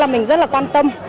mình rất là quan tâm